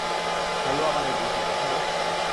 হালুয়া বানাইতেছি, দেখো না?